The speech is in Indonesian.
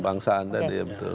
kebangsaan tadi ya betul